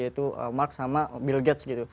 itu mark sama bill gates